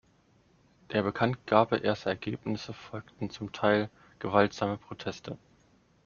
Der Bekanntgabe erster Ergebnisse folgten zum Teil gewaltsame Proteste.